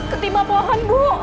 ketimah pohon bu